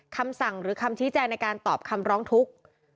คำสั่งหรือคำชี้แจงในการตอบคำร้องทุกข์